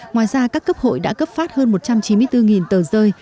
ngoài ra các cấp hội đã cấp phát hơn một trăm chín mươi bốn tờ rơi